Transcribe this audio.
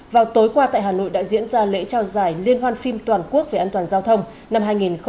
vào tối qua tại hà nội đã diễn ra lễ trao giải liên hoan phim toàn quốc về an toàn giao thông năm hai nghìn hai mươi